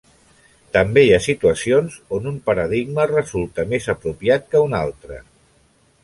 També hi ha situacions on un paradigma resulta més apropiat que un altre.